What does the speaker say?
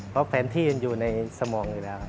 เพราะแผนที่ยังอยู่ในสมองอยู่แล้ว